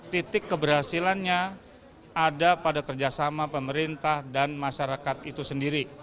titik keberhasilannya ada pada kerjasama pemerintah dan masyarakat itu sendiri